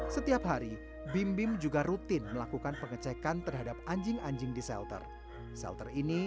setiap hari bim bim juga rutin melakukan pengecekan terhadap anjing anjing di shelter shelter ini